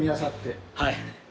はい。